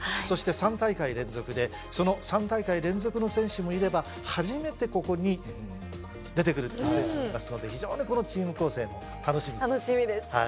そして３大会連続でその３大会連続の選手もいれば初めてここに出てくる選手もいますので非常にこのチーム構成も楽しみです。